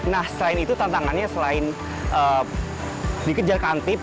nah selain itu tantangannya selain dikejar kantip